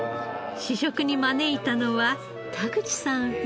試食に招いたのは田口さん夫婦。